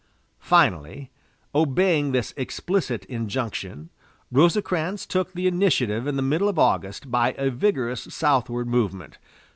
Finally, obeying this explicit injunction, Rosecrans took the initiative in the middle of August by a vigorous southward movement.